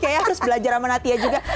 kayaknya harus belajar sama natia juga